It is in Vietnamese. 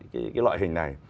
cái loại hình này